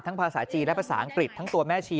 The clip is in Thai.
ภาษาจีนและภาษาอังกฤษทั้งตัวแม่ชี